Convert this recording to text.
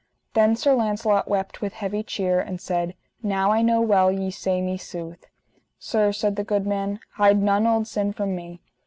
Then Sir Launcelot wept with heavy cheer, and said: Now I know well ye say me sooth. Sir, said the good man, hide none old sin from me.